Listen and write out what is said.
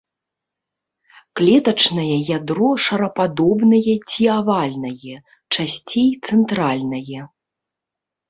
Клетачнае ядро шарападобнае ці авальнае, часцей цэнтральнае.